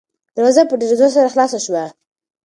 دروازه په ډېر زور سره خلاصه شوه.